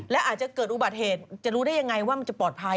และอาจจะเกิดอุบัติเหตุจะรู้ได้ยังไงว่ามันจะปลอดภัย